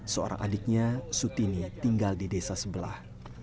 seorang adiknya sutini tinggal di desa sebelah